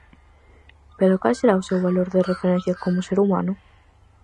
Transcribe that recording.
Pero cal será o seu valor de referencia como ser humano?